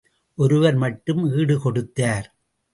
ஒருவர் மட்டும் ஈடு கொடுத்தார்.